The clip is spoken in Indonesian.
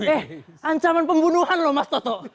eh ancaman pembunuhan loh mas toto